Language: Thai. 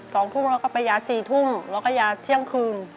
สองทุ่มแล้วก็ไปยาสี่ทุ่มแล้วก็ยาเที่ยงคืน